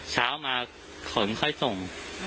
เช้ามาขนค่อยส่ง